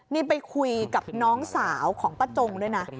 นี่ไปคุยกับน้องสาวของป้าจงด้วยนะ